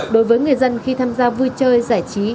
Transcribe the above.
đối với người dân khi tham gia vui chơi giải trí